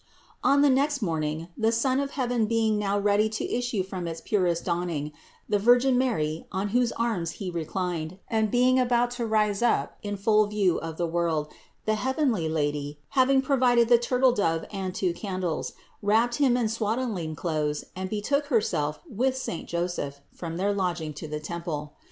598. On the next morning, the Sun of heaven being now ready to issue from its purest dawning, the Virgin Mary, on whose arms He reclined, and being about to rise up in full view of the world, the heavenly Lady, hav ing provided the turtle dove and two candles, wrapped Him in swaddling clothes and betook Herself with saint Joseph from their lodging to the temple.